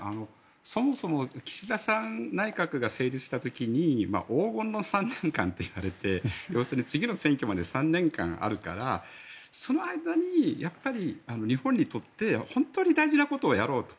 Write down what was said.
そもそも岸田内閣が成立した時に黄金の３年間といわれて要するに次の選挙まで３年間あるからその間にやっぱり日本にとって本当に大事なことをやろうと。